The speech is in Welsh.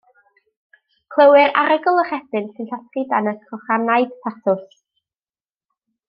Clywir arogl y rhedyn sy'n llosgi dan y crochanaid tatws.